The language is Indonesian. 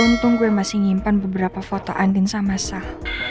untung gue masih nyimpan beberapa foto andin sama sal